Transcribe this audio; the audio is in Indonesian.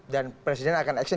dan presiden akan action